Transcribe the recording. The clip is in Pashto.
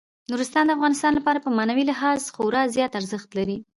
نورستان د افغانانو لپاره په معنوي لحاظ خورا زیات ارزښت لري.